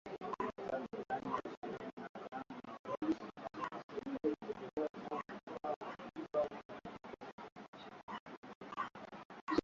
Inakadiriwa kua alizaliwa mnamo mwaka elfu moja mia tisa na kumi